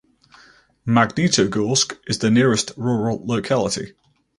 Magnitogorsk is the nearest rural locality.